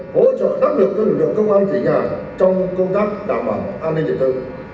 hỗ trợ đáp lực lực lượng cơ quan chỉ nhà trong công tác đảng bảo an ninh dân tư